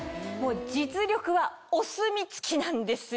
実力はお墨付きなんですよ。